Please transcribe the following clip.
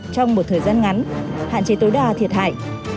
trong một thời gian ngắn hạn chế tối đa thiệt hại